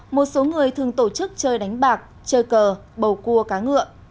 một số người thường tổ chức chơi đánh bạc chơi cờ bầu cua cá ngựa